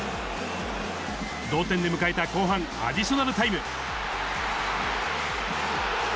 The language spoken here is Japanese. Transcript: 同点で迎えた後半アディショナルタイム。